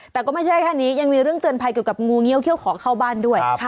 แต่ก็ไม่ใช่แค่นี้ยังมีเรื่องเตือนภัยเกี่ยวกับงูเงี้ยเขี้ยวขอเข้าบ้านด้วย